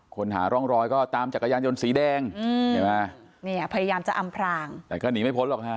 คนหาร่องรอยก็ตามจักรยานยนต์สีแดงพยายามจะอำพรางแต่ก็หนีไม่พ้นหรอกค่ะ